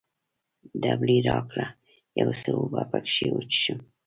دبلی راکړه، یو څه اوبه پکښې وڅښم.